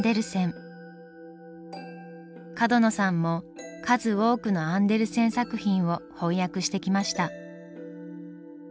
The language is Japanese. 角野さんも数多くのアンデルセン作品を翻訳してきました。